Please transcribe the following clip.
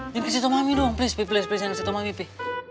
jangan kasih tau mami dong please please please jangan kasih tau mami pi